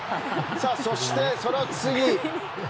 そして、その次。